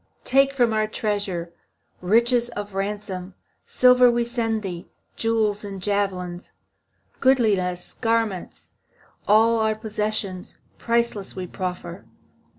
Take from our treasure Richest of ransom. Silver we send thee, Jewels and javelins, Goodliest garments, All our possessions, Priceless, we proffer.